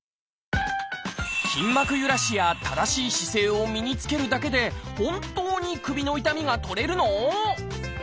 筋膜ゆらしや正しい姿勢を身につけるだけで本当に首の痛みが取れるの？